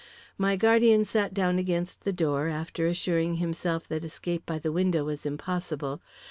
My guardian sat down against the door, after assuring himself that escape by the window was impossible.